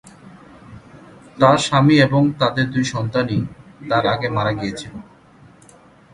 তার স্বামী এবং তাদের দুই সন্তানই তার আগে মারা গিয়েছিল।